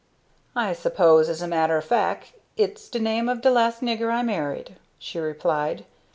"I suppose, as a matter o' fac' its de name of de last nigger I married," she replied.